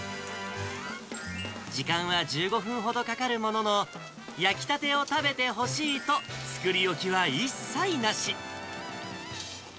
時間は１５分ほどかかるものの、焼きたてを食べてほしいと、作り置きは一切なし。